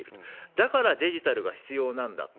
だからデジタルが必要なんだと。